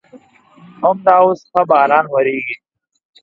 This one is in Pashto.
همدا اوس ښه باران ورېږي.